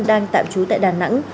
đang tạm trú tại đà nẵng